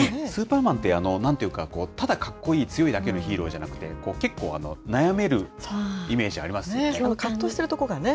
スーパーマンって、なんていうか、ただかっこいい、強いだけのヒーローじゃなくて、結構、悩めるイメージありますよね。